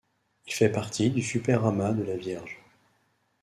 Il fait partie du superamas de la Vierge.